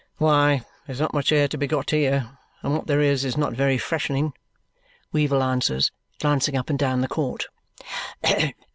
"Why, there's not much air to be got here; and what there is, is not very freshening," Weevle answers, glancing up and down the court.